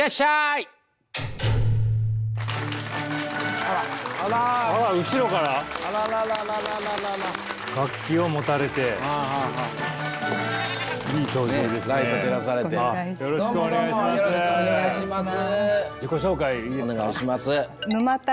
よろしくお願いします。